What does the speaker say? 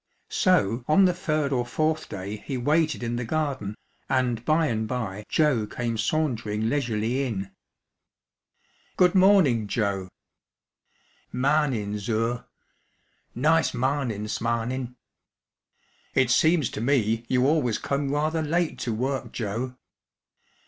So on the third or fourth day he waited in the garden, and by and by Joe came sauntering leisurely in. " Good morning, Joe." " Marnin', zur ; nice marnin' 'smarnin'." " It seems \ 134 The Gentleman s Magazine. to me you always come rather late to work, Joe."